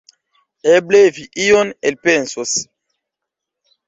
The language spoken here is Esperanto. Eble, vi ion elpensos.